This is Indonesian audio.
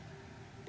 untuk bekerja sama